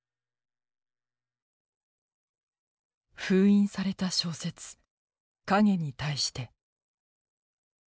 封印された小説「影に対して」。